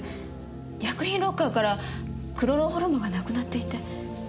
薬品ロッカーからクロロホルムがなくなっていて。